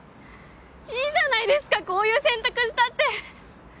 いいじゃないですかこういう選択したって。